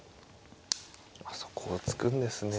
そこを突くんですね。